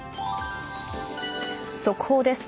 速報です。